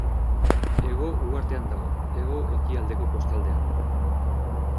Hego Uhartean dago, hego ekialdeko kostaldean.